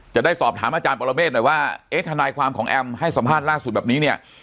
จะได้สอบถามอาจารย์ปรเมฆหน่อยว่าเอ๊ะทนายความของแอมให้สัมภาษณ์ล่าสุดแบบนี้เนี่ย